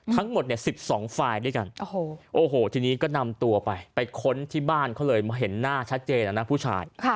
ทั้งหมดเนี่ย๑๒ฝ่ายด้วยกันโอ้โหทีนี้ก็นำตัวไปไปค้นที่บ้านเขาเลยเห็นหน้าชัดเจนนะผู้ชาย